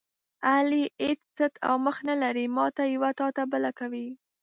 علي هېڅ څټ او مخ نه لري، ماته یوه تاته بله کوي.